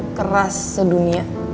paling keras sedunia